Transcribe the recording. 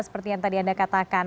seperti yang tadi anda katakan